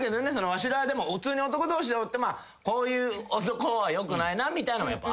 わしらでも普通に男同士でおってこういう男はよくないみたいのはあるよ